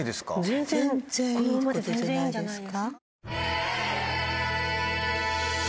全然いいことじゃないですか？